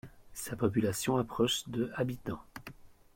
Sa population approche de habitants.